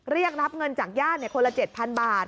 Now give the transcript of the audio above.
เรียกรับเงินจากญาติคนละ๗๐๐บาท